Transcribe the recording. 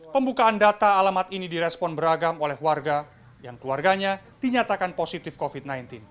pembukaan data alamat ini direspon beragam oleh warga yang keluarganya dinyatakan positif covid sembilan belas